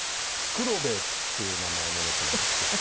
クロベエっていう名前の猫なんですけど。